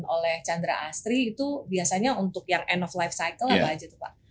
oleh chandra astri itu biasanya untuk yang end of life cycle apa aja tuh pak